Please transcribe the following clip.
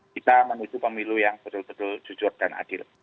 kita menuju pemilu yang betul betul jujur dan adil